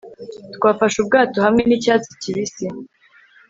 Twafashe ubwato hamwe nicyatsi kibisi